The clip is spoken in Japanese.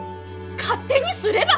勝手にすれば！